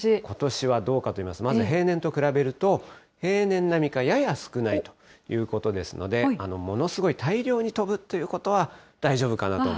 ことしはどうかといいますと、まず平年と比べると、平年並みかやや少ないということですので、ものすごい大量に飛ぶということよかった。